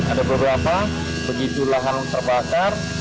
ada beberapa begitu lahan terbakar